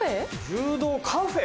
「柔道カフェ」！